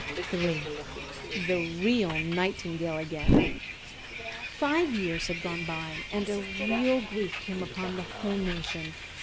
III THE REAL NIGHTINGALE AGAIN Five years had gone by, and a real grief came upon the whole nation.